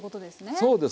そうです。